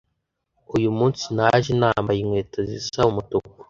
Uyu munsi naje nambaye inkweto zisa umutuku